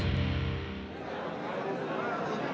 โชคดีครับ